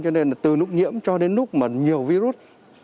cho nên là từ lúc nhiễm cho đến lúc mà nhiều virus